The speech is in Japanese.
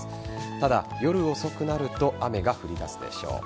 ただ、夜遅くなると雨が降り出すでしょう。